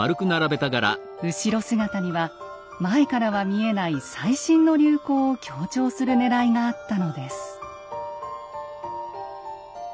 後ろ姿には前からは見えない最新の流行を強調するねらいがあったのです。